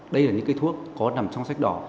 đây là những cây thuốc có nằm trong sách đỏ